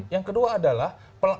yang kedua adalah